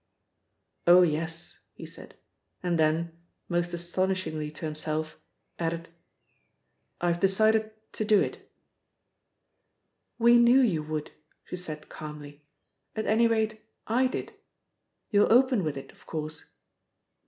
"Oh, yes," he said; and then, most astonishingly to himself, added: "I've decided to do it." "We knew you would," she said calmly. "At any rate I did.... You'll open with it of course."